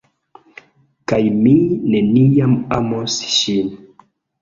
kaj mi neniam amos ŝin!